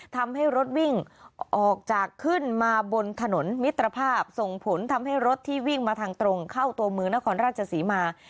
ทำให้รถวิ่งออกจากขึ้นมาบนถนนมิตรภาพส่งผลทำให้รถที่วิ่งมาทางตรงเข้าตัวเมืองนครราชศรีมา